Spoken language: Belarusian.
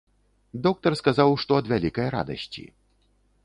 Доктар сказаў, што ад вялікай радасці.